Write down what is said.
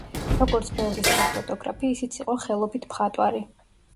როგორც ბევრი სხვა ფოტოგრაფი, ისიც იყო ხელობით მხატვარი.